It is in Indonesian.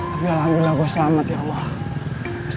astaga selamat ya mas